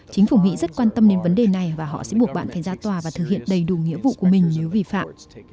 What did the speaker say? chính phủ mỹ rất quan tâm đến vấn đề này và họ sẽ buộc bạn phải ra tòa và thực hiện đầy đủ nghĩa vụ của mình nếu vi phạm